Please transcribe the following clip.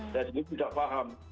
saya sendiri tidak paham